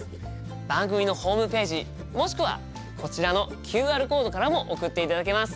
番組のホームページもしくはこちらのＱＲコードからも送っていただけます。